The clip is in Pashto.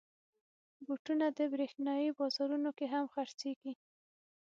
بوټونه د برېښنايي بازارونو کې هم خرڅېږي.